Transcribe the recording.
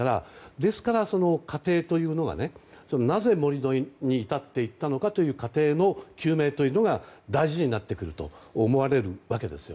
ですから、なぜ盛り土に至っていったのかという過程の究明が大事になってくると思われるわけです。